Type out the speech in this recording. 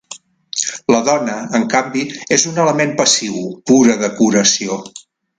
La dona, en canvi, és un element passiu, pura decoració.